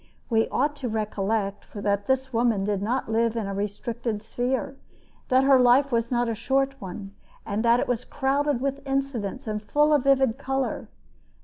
We ought to recollect that this woman did not live in a restricted sphere, that her life was not a short one, and that it was crowded with incidents and full of vivid color.